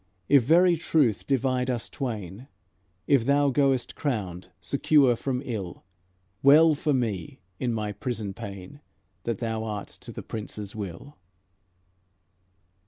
If very truth divide us twain; If thou goest crowned, secure from ill, Well for me in my prison pain That thou art to the Prince's will."